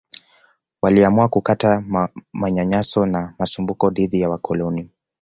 Waliamua kukataa manyanyaso na masumbuko dhidi ya wakoloni